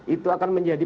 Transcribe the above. itu akan menjadi